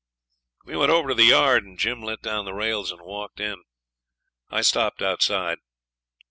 We went over to the yard, and Jim let down the rails and walked in. I stopped outside.